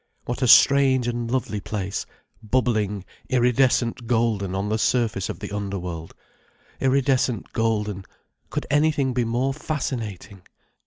What a strange and lovely place, bubbling iridescent golden on the surface of the underworld. Iridescent golden—could anything be more fascinating!